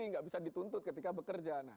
tidak bisa dituntut ketika bekerja